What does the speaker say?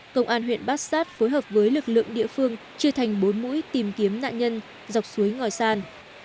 công an huyện bát sát phối hợp với lực lượng địa phương chia thành bốn mũi tìm kiếm nạn nhân dọc suối ngòi san